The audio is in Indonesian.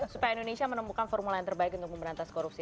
supaya indonesia menemukan formula yang terbaik untuk memberantas korupsi